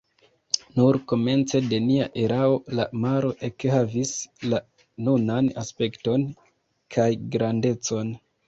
Nur komence de nia erao la maro ekhavis la nunan aspekton kaj grandecon.